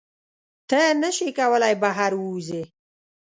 ته نشې کولی بهر ووځې.